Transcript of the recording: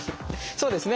そうですね。